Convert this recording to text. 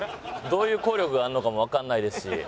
どういう効力があるのかもわかんないですし。